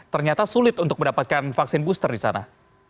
ternyata sulit untuk mendapatkan vaksin booster di sana